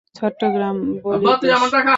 চট্টগ্রাম বলির দেশ।